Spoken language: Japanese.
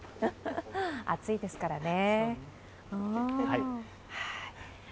暑いですからね。